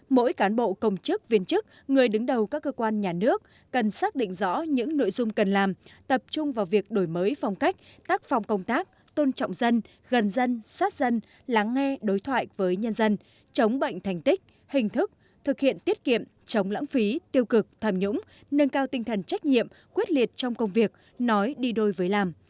mỗi cán bộ công chức viên chức người đứng đầu các cơ quan nhà nước cần xác định rõ những nội dung cần làm tập trung vào việc đổi mới phong cách tác phòng công tác tôn trọng dân gần dân sát dân lắng nghe đối thoại với nhân dân chống bệnh thành tích hình thức thực hiện tiết kiệm chống lãng phí tiêu cực tham nhũng nâng cao tinh thần trách nhiệm quyết liệt trong công việc nói đi đôi với làm